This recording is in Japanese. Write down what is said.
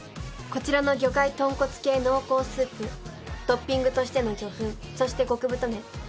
こちらの魚介豚骨系濃厚スープトッピングとしての魚粉そして極太麺。